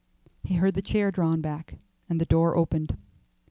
He heard the chair drawn back, and the door opened.